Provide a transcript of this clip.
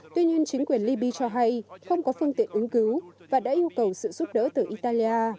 tuy nhiên chính quyền liby cho hay không có phương tiện ứng cứu và đã yêu cầu sự giúp đỡ từ italia